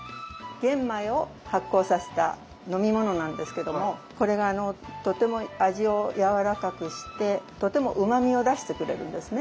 玄米を発酵させた飲み物なんですけどもこれがとても味をやわらかくしてとてもうまみを出してくれるんですね。